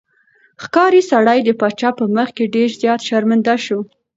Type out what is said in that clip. ښکاري سړی د پاچا په مخ کې ډېر زیات شرمنده شو.